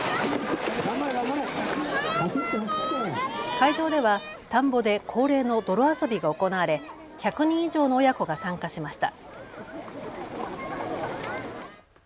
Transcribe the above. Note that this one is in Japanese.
会場では田んぼで恒例の泥遊びが行われ１００人以上の親子が参加しました。